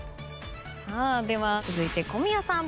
さあでは続いて小宮さん。